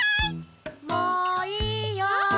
・もういいよ。